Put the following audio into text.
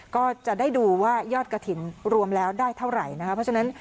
ก็จะได้ดูว่ายอดกระถิ่นรวมแล้วได้เท่าไหร่นะคะเพราะฉะนั้น